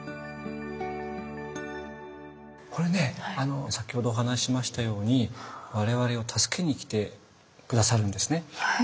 これね先ほどお話ししましたように我々を助けに来て下さるんですね。